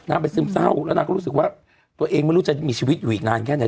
ไปซึมเศร้าแล้วนางก็รู้สึกว่าตัวเองไม่รู้จะมีชีวิตอยู่อีกนานแค่ไหน